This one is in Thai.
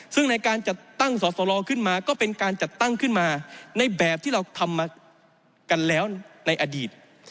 ซึ่งในการจัดตั้งสอสรขึ้นมาก็เป็นการจัดตั้งขึ้นมาในแบบที่เราทำมากันแล้วในอดีต